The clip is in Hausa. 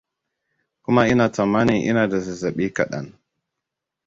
kuma ina tsammanin ina da zazzaɓi kaɗan